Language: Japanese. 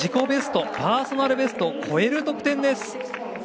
ベストパーソナルベストを超える得点です。